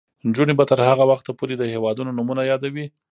نجونې به تر هغه وخته پورې د هیوادونو نومونه یادوي.